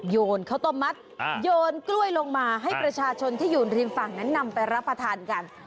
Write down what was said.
โยนข้าวต้มมัดโยนกล้วยลงมาให้ประชาชนที่อยู่ริมฝั่งนั้นนำไปรับประทานกัน